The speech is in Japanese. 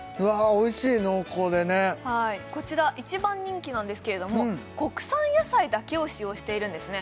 おいしい濃厚でねこちら一番人気なんですけれども国産野菜だけを使用しているんですね